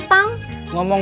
terima kasih ip